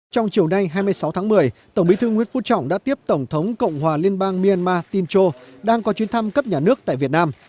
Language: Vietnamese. trong chiều nay hai mươi sáu tháng một mươi tổng bí thư nguyễn phú trọng đã tiếp tổng thống cộng hòa liên bang myanmar tincha đang có chuyến thăm cấp nhà nước tại việt nam